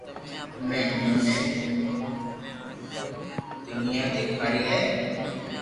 اوڻي امو نين دنيا دآکاري ھي